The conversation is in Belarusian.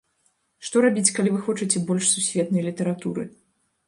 Што рабіць, калі вы хочаце больш сусветнай літаратуры?